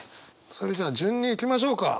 それじゃあ順にいきましょうか。